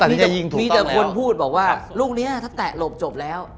เออมีแต่คนพูดบอกว่าลูกนี้ถ้าแตะหลบจบแล้ว